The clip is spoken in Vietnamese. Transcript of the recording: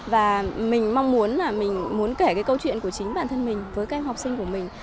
và mình mong muốn là mình muốn kể cái câu chuyện của chính bản thân mình với các em học sinh của mình